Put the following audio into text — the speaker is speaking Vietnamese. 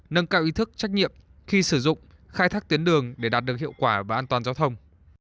nâng cao ý thức trách nhiệm khi sử dụng khai thác tuyến đường để đạt được hiệu quả và an toàn giao thông